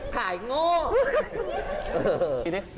ขายโง่